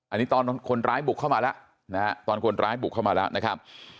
อันนี้ตอนคนร้ายบุกเข้ามาแล้วนะฮะตอนคนร้ายบุกเข้ามาแล้วนะครับ